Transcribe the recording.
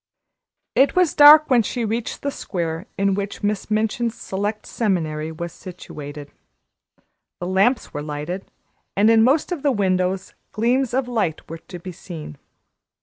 It was dark when she reached the square in which Miss Minchin's Select Seminary was situated; the lamps were lighted, and in most of the windows gleams of light were to be seen.